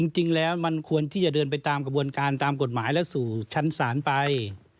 จริงแล้วมันควรที่จะเดินไปตามกระบวนการตามกฎหมายและสู่ชั้นศาลไป